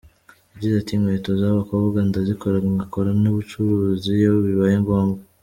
Yagize ati “Inkweto z’ abakobwa ndazikora ngakora n’ ubucuruzi iyo bibaye ngombwa.